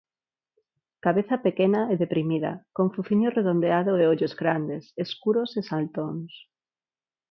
Cabeza pequena e deprimida, con fociño redondeado e ollos grandes, escuros e saltóns.